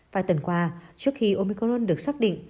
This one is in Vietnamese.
vài tuần qua trước khi omicron được xác định